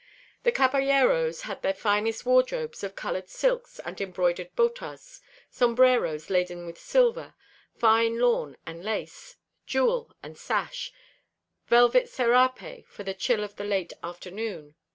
The caballeros had their finest wardrobes of colored silks and embroidered botas, sombreros laden with silver, fine lawn and lace, jewel and sash, velvet serape for the chill of the late afternoon.